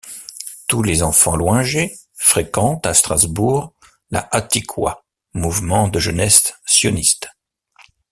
Tous les enfants Loinger fréquentent, à Strasbourg, la Hatikwa, mouvement de jeunesse sioniste.